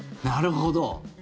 なるほど。